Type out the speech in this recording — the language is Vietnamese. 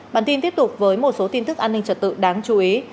bản tin tiếp tục với một số tin tức an ninh trật tự đáng chú ý